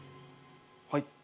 はい。